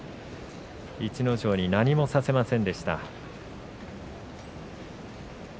逸ノ城に何もさせませんでした。